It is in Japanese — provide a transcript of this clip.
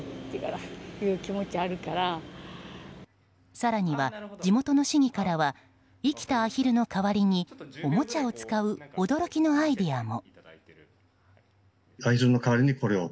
更には、地元の市議からは生きたアヒルの代わりにおもちゃを使う驚きのアイデアも。